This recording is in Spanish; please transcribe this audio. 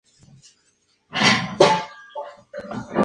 Su nombre Arica es en honor a la antigua ciudad peruana de Arica.